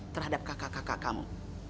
terhadap kakak kakak kamu